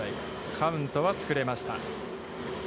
カウントは作れました。